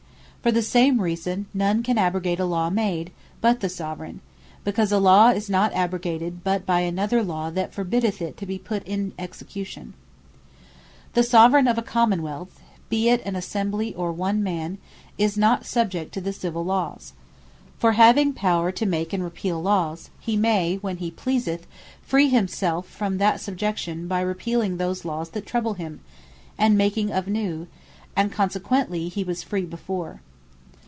For the same reason, none can abrogate a Law made, but the Soveraign; because a Law is not abrogated, but by another Law, that forbiddeth it to be put in execution. And Not Subject To Civill Law 2. The Soveraign of a Common wealth, be it an Assembly, or one Man, is not subject to the Civill Lawes. For having power to make, and repeale Lawes, he may when he pleaseth, free himselfe from that subjection, by repealing those Lawes that trouble him, and making of new; and consequently he was free before.